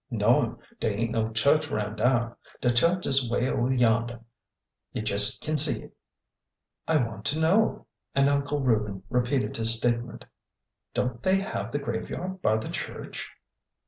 No'm, dey ain' no chu'ch roun' dar. De chu'ch is way over hyarnder. You jes' kin see it." I want to know !" And Uncle Reuben repeated his statement. Don't they have the graveyard by the church